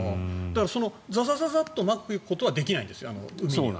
ザザッとまくことはできないんですよ、海には。